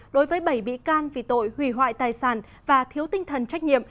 đối với bảy bị can vì tội hủy hoại tài sản và thiếu tinh thần trách nhiệm